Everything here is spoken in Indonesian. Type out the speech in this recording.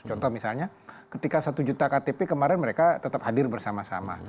contoh misalnya ketika satu juta ktp kemarin mereka tetap hadir bersama sama